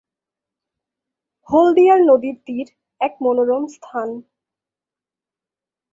হলদিয়ায় নদীর তীর এক মনোরম স্থান।